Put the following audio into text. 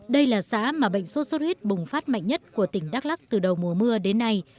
đây là xã mà bệnh sốt xuất huyết bùng phát mạnh nhất của tỉnh đắk lắc từ đầu mùa mưa đến nay